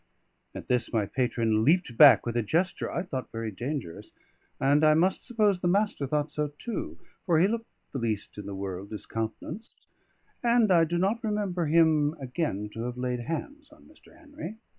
At this my patron leaped back with a gesture I thought very dangerous; and I must suppose the Master thought so too, for he looked the least in the world discountenanced, and I do not remember him again to have laid hands on Mr. Henry.